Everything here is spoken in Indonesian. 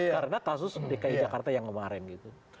karena kasus dki jakarta yang kemarin gitu